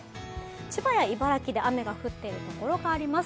千葉や茨城で雨の降っている所があります。